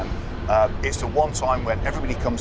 ini adalah waktu yang membuat semua orang berkumpul